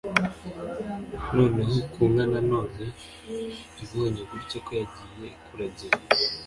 noneho ku nka na none, ibonye gutyo ko yagiye kuragira